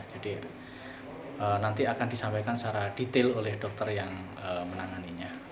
jadi nanti akan disampaikan secara detail oleh dokter yang menanganinya